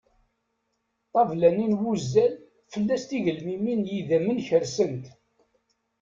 Ṭṭabla-nni n wuzzal fell-as tigelmimin n yidammen kersent.